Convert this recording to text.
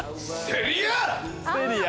セリア！